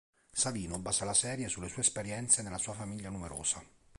Savino basa la serie sulle sue esperienze nella sua famiglia numerosa.